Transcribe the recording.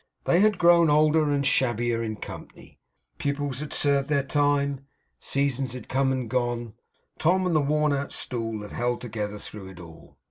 They had grown older and shabbier in company. Pupils had served their time; seasons had come and gone. Tom and the worn out stool had held together through it all.